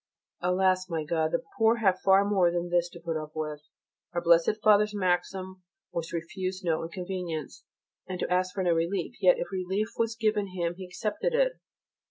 Alas! my God, the poor have far more than this to put up with. Our Blessed Father's maxim was to refuse no inconvenience, and to ask for no relief, yet if relief was given him he accepted it.